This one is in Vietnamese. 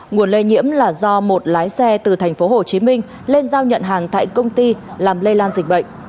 nguồn lây nhiễm là do một lái xe từ thành phố hồ chí minh lên giao nhận hàng tại công ty làm lây lan dịch bệnh